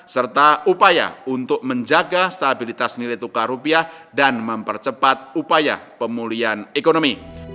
serta upaya untuk menjaga stabilitas nilai tukar rupiah dan mempercepat upaya pemulihan ekonomi